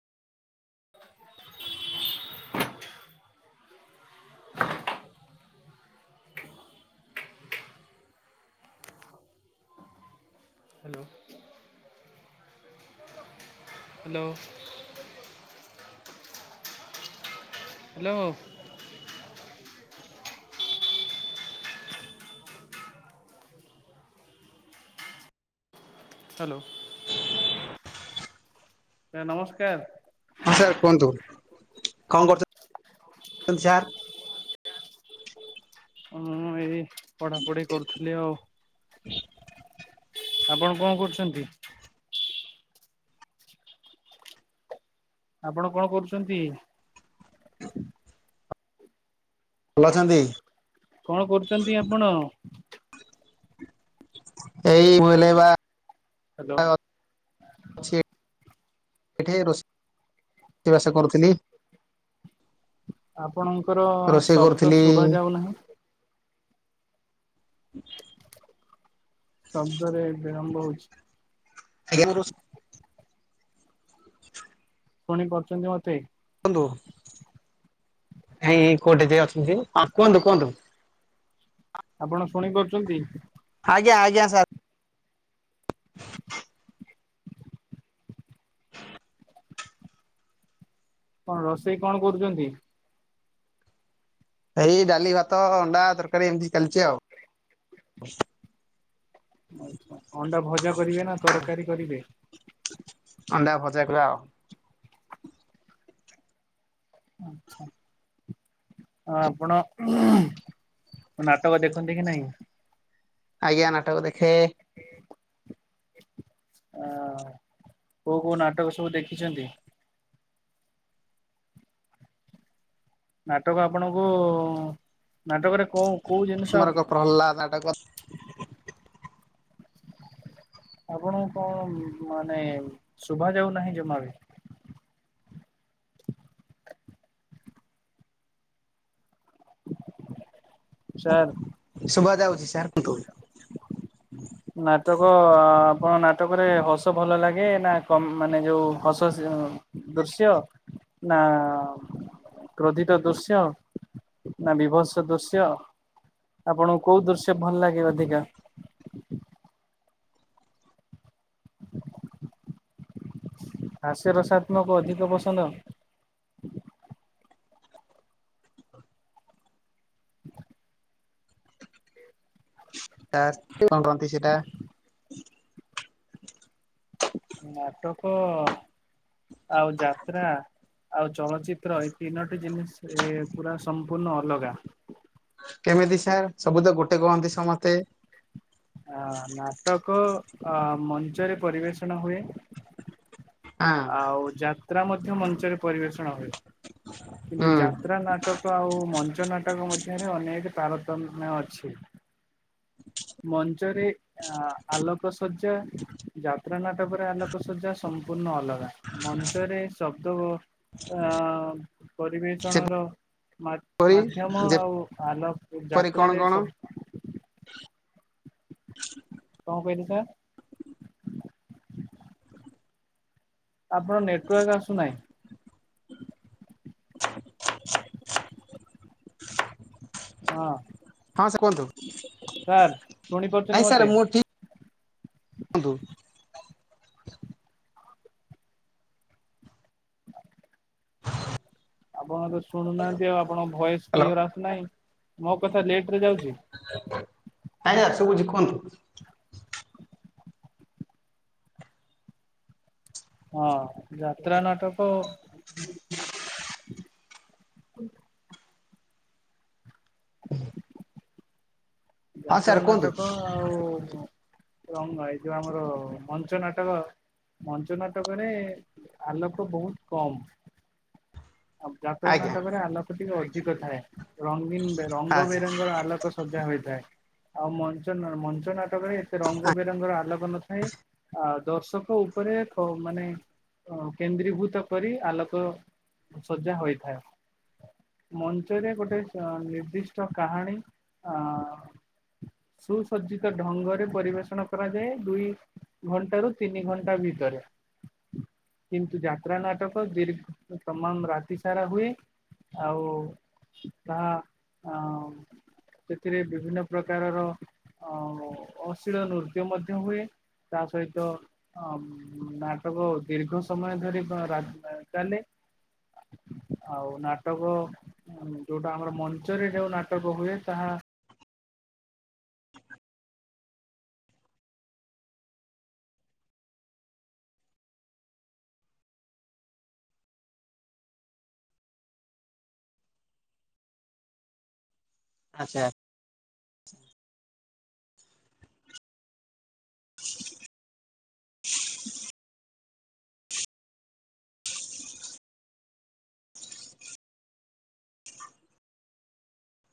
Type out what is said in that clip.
[inaudible] Hello. Hello. Hello. Hello. Sir ନମସ୍କାର। ହଁ sir କୁହନ୍ତୁ କଣ କରୁଛନ୍ତି ସାର୍? ମୁଁ ଏଇ ପଢାପଢି କରୁଥିଲି ଆଉ। ଆପଣ କଣ କରୁଛନ୍ତି? ଆପଣ କଣ କରୁଛନ୍ତି? ଭଲ ଅଛନ୍ତି? କଣ କରୁଛନ୍ତି ଆପଣ? ଏଇ ବୋଇଲେ ବା ହ୍ୟାଲୋ [unintelligible] ଏଇଠି ରୋଷେଇବାସ କରୁଥିଲି। ଆପଣଙ୍କର ରୋଷେଇ ଶବ୍ଦ କରୁଥିଲି ଶୁଭ ଯାଉ ନାହିଁ। [inaudible] ଶବ୍ଦରେ ବିଳମ୍ବ ହଉଛି। ଆଜ୍ଞା ଶୁଣି ପାରୁଛନ୍ତି ମତେ? କୁହନ୍ତୁ। ଏଇ କୋଉଠି ଯାଇ ଅଛନ୍ତି କୁହନ୍ତୁ କୁହନ୍ତୁ। ଆପଣ ଶୁଣିପାରୁଛନ୍ତି? ଆଜ୍ଞା ଆଜ୍ଞା ସାର୍। କଣ ରୋଷେଇ କଣ କରୁଛନ୍ତି? ଏଇ ଡାଲି ଭାତ ଅଣ୍ଡା ତରକାରୀ ଏମିତି ଚାଲିଛି ଆଉ। ଅଣ୍ଡା ଭଜା କରିବେ ନା ତରକାରୀ କରିବେ? ଅଣ୍ଡା ଭଜା କରା ଆଉ। ଆଚ୍ଛା ହଁ ଆପଣ ନାଟକ ଦେଖନ୍ତି କି ନାହିଁ। ଆଜ୍ଞା ନାଟକ ଦେଖେ। ଅ କୋଉ କୋଉ ନାଟକ ସବୁ ଦେଖିଛନ୍ତି। ନାଟକ ଆପଣଙ୍କୁ ନାଟକରେ କୋଉ କୋଉ ଜିନିଷ ତୁମର କ ପ୍ରହ୍ଲାଦ ନାଟକ [inaudible] ଆପଣଙ୍କୁ କଣ ମାନେ ଶୁଭା ଯାଉ ନାହିଁ। ଜମା ବି [inaudible] ସାର୍ ଶୁଭା ଯାଉଛି ସାର୍। ନ୍ତୁ ନାଟକ ଆଁ ଆପଣ ନାଟକରେ ହସ ଭଲ ଲାଗେ ନା ମାନେ ଯୋଉ ହସ ଦୃଶ୍ୟ ନା କ୍ରୋଧିତ ଦୃଶ୍ୟ ନା ବିଭତ୍ସ ଦୃଶ୍ୟ ଆପଣଙ୍କୁ କୋଉ ଦୃଶ୍ୟ ଭଲ ଲାଗେ ଅଧିକା। ହସେ ରସାତ୍ମକ ଅଧିକ ପସନ୍ଦ। [inaudible] ଏ କହନ୍ତି ସେଟା [inaudible] ନାଟକ ଆଉ ଜାତ୍ରା। ଆଉ ଚଳଚିତ୍ର ଏଇ ତିନୋଟି ଜିନିଷ ଏ ପୁରା ସମ୍ପୂର୍ଣ୍ଣ ଅଲଗା। କେମିତି ସାର୍ ସବୁ ତ ଗୋଟେ କୁହନ୍ତି। ସମସ୍ତେ ଅ ନାଟକ ଅ ମଞ୍ଚରେ ପରିବେଷଣ ହୁଏ। ହଁ ଆଉ ଜା ଯାତ୍ରା ମଧ୍ୟ ମଞ୍ଚରେ ପରିବେଷଣ ହୁଏ। କିନ୍ତୁ ହୁଁ ଯାତ୍ରା ନାଟକ ଆଉ ମଞ୍ଚ ନାଟକ ମଧ୍ୟରେ ଅନେକ ପାର ମାନେ ଅଛି। [inaudible] ମଞ୍ଚରେ ଆଲୋକ ଶଯ୍ୟା ଯାତ୍ରା ନାଟକରେ ଆଲୋକ ଶଜଯା ସମ୍ପୂର୍ଣ୍ଣ ଅଲୋକ ମଞ୍ଚରେ ଶବ୍ଦ ଆ ପରିବେଷଣ ର ଯେପରି ମାଧ୍ୟମ ଆଉ ଆଲ ଯେପରି କଣ ଯାତ୍ରାରେ କଣ ହଁ ସବୁ [inaudible] ଏଇନୁକା [inaudible] ଆପଣ ନେଟୱାର୍କ ଆସୁନାହିଁ। [inaudible] ହଁ। ହଁ ସାର୍ କୁହନ୍ତୁ? ସାର୍ ପୁଣି ନାଇଁ କରୁଛନ୍ତି ସାର୍ ମତେ ମୁଁ ଠିକ୍ କୁହନ୍ତୁ। [inaudible] ଆପଣ ତ ଶୁଣୁନାହାନ୍ତି ଆଉ ଆପଣଙ୍କ ଭଏସ ହ୍ୟାଲୋ। କ୍ଲିୟର ଆସୁନାହିଁ। ମୋ ମୋ କଥା ଲେଟ ରେ ଯାଉଛି। [inaudible] ଆଜ୍ଞା ଶୁଭୁଛି କୁହନ୍ତୁ। ହଁ। ଯାତ୍ରା ନାଟକ [inaudible] ହୁଁ। [inaudible] ହଁ ଯାତ୍ରା ସାର୍ କୁହନ୍ତୁ ନାଟକ ଆଉ ରଙ୍ଗ ଏଇ ଯୋଉ ଆମର ମଞ୍ଚ ନାଟକ ମଞ୍ଚ ନାଟକରେ ଆଲୋକ ବହୁତ କମ ଆଉ ଯାତ୍ରା ଆଜ୍ଞା ନାଟକରେ ଆଲୋକଟି କଥାଏ। ରଙ୍ଗୀନ ରଙ୍ଗ ଆଚ୍ଛା ବେରଙ୍ଗର ଆଲୋକ ସଜା ହୋଇଥାଏ। ଆଉ ମଞ୍ଚ ମଞ୍ଚ ନାଟକରେ ଏତେ ରଙ୍ଗ ବେରଙ୍ଗର ଆଲୋକ ନଥାଏ ଆ ଦର୍ଶକ ଉପରେ ମାନେ କେନ୍ଦ୍ରୀଭୂତ କରି ଆଲୋକ ସଜା ହୋଇଥାଏ ମଞ୍ଚରେ ଗୋଟେ ନିର୍ଦ୍ଦିଷ୍ଟ କାହାଣୀ ଆ ସୁସଜ୍ଜିତ ଢଙ୍ଗରେ ପରିବେଷଣ କରାଯାଏ ଦୁଇ ଘଣ୍ଟ ରୁ ତିନି ଘଣ୍ଟା ଭିତରେ କିନ୍ତୁ ଯାତ୍ରା ନାଟକ ଦୀର୍ଘ ସମାନ ରାତି ସାରା ହୁଏ ଆଉ ତାହା ସେଥିରେ ବିଭିନ୍ନ ପ୍ରକାରର ଅ ଅଶୀଳ ନୃତ୍ୟ ମଧ୍ୟ ହୁଏ ତା ସହିତ ନାଟକ ଦୀର୍ଘ ସମୟ ଧରି ରା ଚାଲେ। ଆଉ ନାଟକ ଉ ଯୋଉଟା ଆମର ମଞ୍ଚରେ ଯୋଉ ନାଟକ ହୁଏ ତାହା ଆଛା। [inaudible]